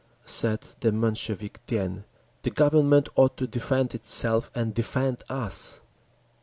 _ Said the Menshevik Dien, "The Government ought to defend itself and defend us."